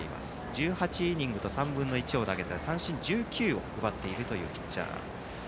１８イニングと３分の１を投げて三振１９を奪っているピッチャー。